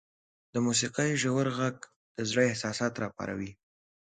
• د موسیقۍ ژور ږغ د زړه احساسات راپاروي.